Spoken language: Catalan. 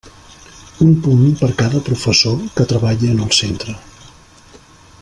Un punt per cada professor que treballe en el centre.